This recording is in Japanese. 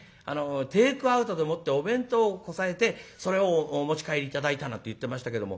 テークアウトでもってお弁当をこさえてそれをお持ち帰り頂いたなんて言ってましたけれども。